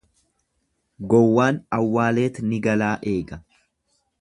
Gowwaan awwaaleet ni galaa eega.